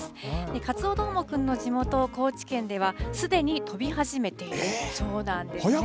カツオどーもくんの地元、高知県では、すでに飛び始めているそうなんですね。